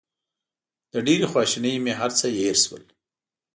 له ډېرې خواشینۍ مې هر څه هېر شول.